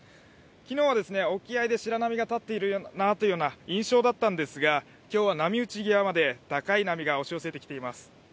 昨日は沖合で白波が立っているなという印象でしたが今日は波打ち際まで高い波が押し寄せてきています。